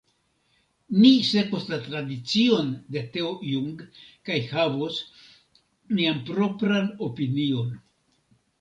Ni sekvos la tradicion de Teo Jung kaj havos nian propran opinion.